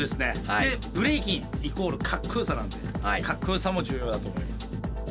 でブレイキンイコールかっこよさなんでかっこよさも重要だと思います。